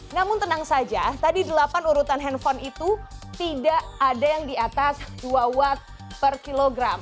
namun tenang saja tadi delapan urutan handphone itu tidak ada yang di atas dua watt per kilogram